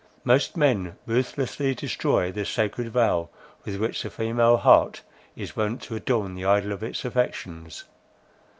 Most men ruthlessly destroy the sacred veil, with which the female heart is wont to adorn the idol of its affections.